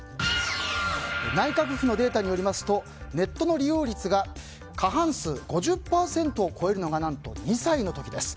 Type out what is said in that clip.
内閣府のデータによりますとネットの利用率が過半数、５０％を超えるのが何と２歳の時です。